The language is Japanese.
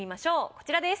こちらです。